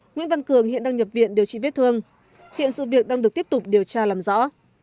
nguyễn văn cường hiện đang nhập viện điều trị vết thương hiện sự việc đang được tiếp tục điều tra làm rõ